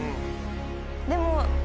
でも。